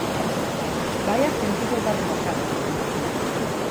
¡Vaia sentido da democracia!